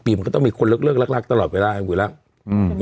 ๒๐ปีมันก็ต้องมีคนเลิกเลิกรักรักตลอดเวลาอยู่แล้ว